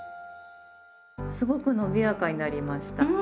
すごくのびやかになりました。